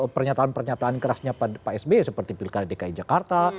pernyataan pernyataan kerasnya pak sby seperti pilkada dki jakarta